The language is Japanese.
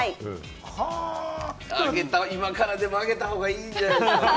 今からでも挙げた方がいいんじゃないですか？